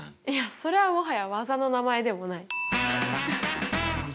いやそれはもはや技の名前でもない。